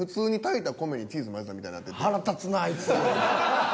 腹立つなぁあいつ。